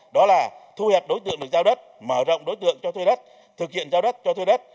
đó là thu hẹp đối tượng được giao đất mở rộng đối tượng cho thuê đất thực hiện giao đất cho thuê đất